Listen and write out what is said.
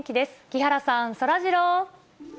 木原さん、そらジロー。